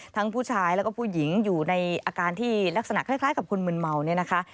ผู้ชายแล้วก็ผู้หญิงอยู่ในอาการที่ลักษณะคล้ายกับคนมึนเมาเนี่ยนะคะ